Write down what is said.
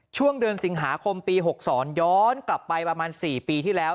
ช่วงเดือนสิงหาคมปี๖๒ย้อนกลับไปประมาณ๔ปีที่แล้ว